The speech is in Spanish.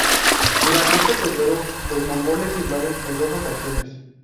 Durante este período, los mongoles invaden en dos ocasiones.